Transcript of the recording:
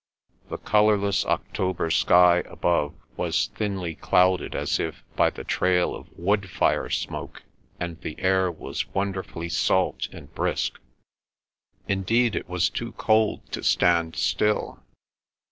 The colourless October sky above was thinly clouded as if by the trail of wood fire smoke, and the air was wonderfully salt and brisk. Indeed it was too cold to stand still.